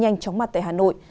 nhanh chóng mặt tại hà nội